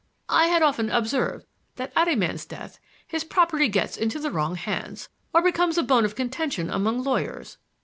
I had often observed that at a man's death his property gets into the wrong hands, or becomes a bone of contention among lawyers.